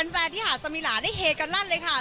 แฟนที่หาดสมิลาได้เฮกันลั่นเลยค่ะ